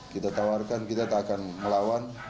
kita tawarkan kita tak akan melawan